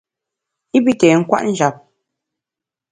I pi té nkwet njap.